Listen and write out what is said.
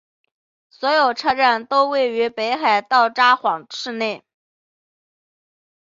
所有车站都位于北海道札幌市内。